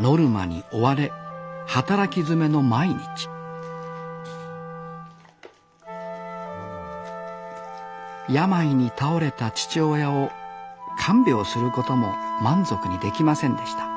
ノルマに追われ働きづめの毎日病に倒れた父親を看病することも満足にできませんでした